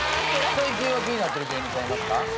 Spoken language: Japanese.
最近は気になってる芸人さんいますか？